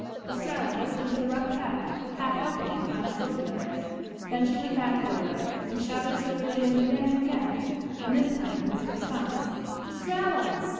Estralla looked into the rough cabin, half hoping to find Sylvia there. Then she went back a little way and shouted Sylvia's name again and again, and this time there was a response. "Estralla!